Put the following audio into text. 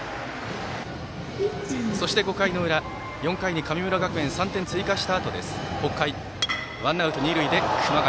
そして、５回の裏４回に神村学園３点追加したあと北海、ワンアウト、二塁で熊谷。